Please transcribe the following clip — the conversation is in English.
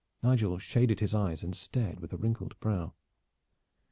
Nigel shaded his eyes and stared with wrinkled brow.